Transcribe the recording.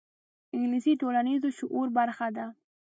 انګلیسي د ټولنیز شعور برخه ده